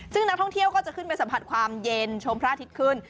ซึ่งนักท่องเที่ยวก็จะขึ้นไปสัมผัสความเย็นชมพระอาทิตย์ขึ้น